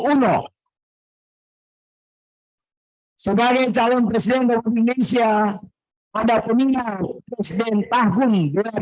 uno sebagai calon presiden indonesia pada peninggal presiden tahun dua ribu empat belas